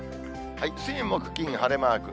水、木、金、晴れマーク。